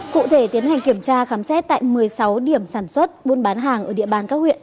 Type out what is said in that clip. cụ thể tiến hành kiểm tra khám xét tại một mươi sáu điểm sản xuất buôn bán hàng ở địa bàn các huyện